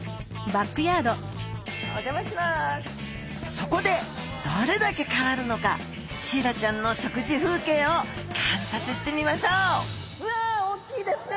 そこでどれだけ変わるのかシイラちゃんの食事風景を観察してみましょうわおっきいですね！